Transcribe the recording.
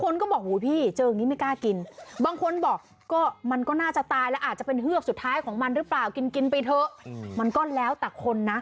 ในติ๊กต๊อกเนี่ยคนที่เขาเอาไปโพสต์ไว้เนี่ย